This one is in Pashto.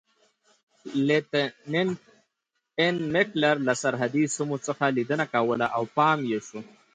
لیتننت اېن میکلر له سرحدي سیمو څخه لیدنه کوله او پام یې شو.